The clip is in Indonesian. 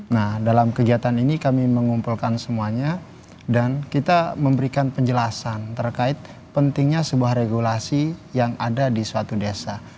nah dalam kegiatan ini kami mengumpulkan semuanya dan kita memberikan penjelasan terkait pentingnya sebuah regulasi yang ada di suatu desa